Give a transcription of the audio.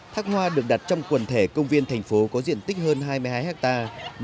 thác hoa được đặt trong quần thể công viên thành phố có diện tích hơn hai mươi hai hectare